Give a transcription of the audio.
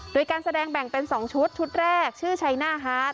โดยการแสดงแบ่งเป็น๒ชุดชุดแรกชื่อชัยหน้าฮาร์ด